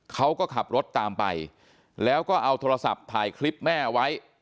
เขาก็ขับรถตามไปแล้วก็เอาโทรศัพท์ถ่ายคลิปแม่ไว้